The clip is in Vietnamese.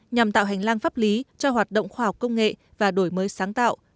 nhằm tạo hành lang pháp lý cho hoạt động khoa học công nghệ và đổi mới sáng tạo